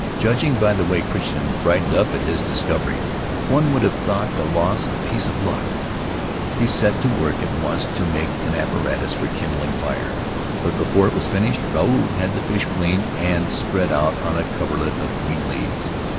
Judging by the way Crichton brightened up at his discovery, one would have thought the loss a piece of luck. He Faery Lands of the South Seas set to work at once to make an apparatus for kindling fire, but before it was finished Ruau had the fish cleaned and spread out on a coverlet of green leaves.